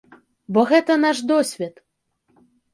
Бо гэта наш досвед.